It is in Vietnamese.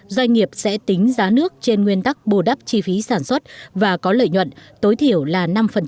doanh nghiệp sẽ tính giá nước trên nguyên tắc bù đắp chi phí sản xuất và có lợi nhuận tối thiểu là năm